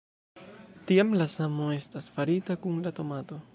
Tiam, la samo estas farita kun la tomato.